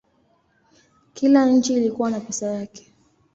Kila nchi ilikuwa na pesa yake.